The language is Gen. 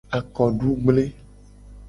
Akodugble.